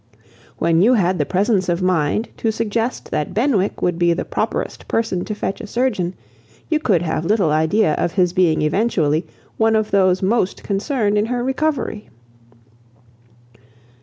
When you had the presence of mind to suggest that Benwick would be the properest person to fetch a surgeon, you could have little idea of his being eventually one of those most concerned in her recovery."